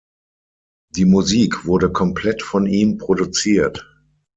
Die Musik wurde komplett von ihm produziert.